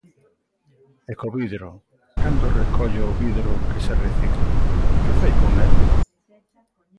Ecovidro, cando recolle o vidro que se recicla, ¿que fai con el?